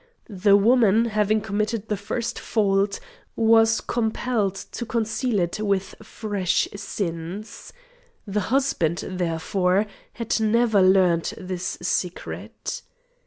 The woman, having committed the first fault, was compelled to conceal it with fresh sins. The husband, therefore, had never learnt this secret.